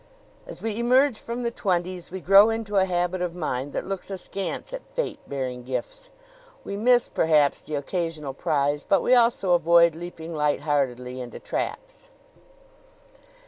As we emerge from the twenties we grow into a habit of mind that looks askance at Fate bearing gifts. We miss, perhaps, the occasional prize, but we also avoid leaping light heartedly into traps.